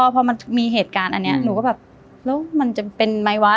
พอมันมีเหตุการณ์อันนี้หนูก็แบบแล้วมันจะเป็นไหมวะ